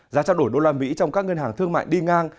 giá trao đổi đô la mỹ trong các ngân hàng thương mại đi ngang